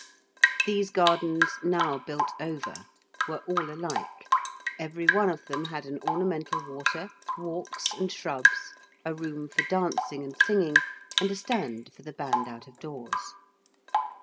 These Gardens, now built over, were all alike. Every one of them had an ornamental water, walks and shrubs, a room for dancing and singing, and a stand for the band out of doors.